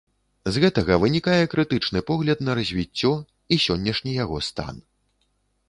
З гэтага вынікае крытычны погляд на развіццё і сённяшні яго стан.